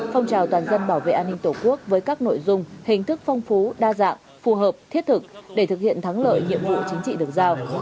phong trào toàn dân bảo vệ an ninh tổ quốc với các nội dung hình thức phong phú đa dạng phù hợp thiết thực để thực hiện thắng lợi nhiệm vụ chính trị được giao